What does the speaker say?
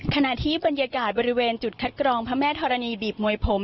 ขณะที่บรรยากาศบริเวณจุดคัดกรองพระแม่ธรณีบีบมวยผม